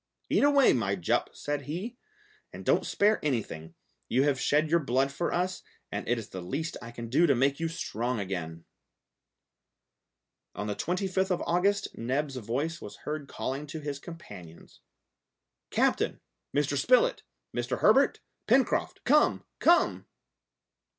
"Eat away, my Jup," said he, "and don't spare anything; you have shed your blood for us, and it is the least I can do to make you strong again!" On the 25th of August Neb's voice was heard calling to his companions. "Captain, Mr. Spilett, Mr. Herbert, Pencroft, come! come!"